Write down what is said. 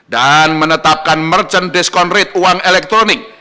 dan menetapkan merchant discount rate uang elektronik